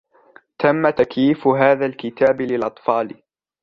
تم تكييف هذا الكتاب للأطفال.